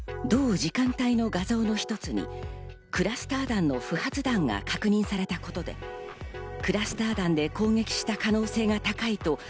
同時間帯の画像の一つにクラスター弾の不発弾が確認されたことでクラスター弾で攻撃した可能性が高いと